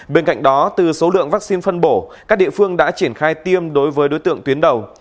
bên cạnh đó từ số lượng vaccine phân bổ các địa phương đã triển khai tiêm đối với đối tượng tuyến đầu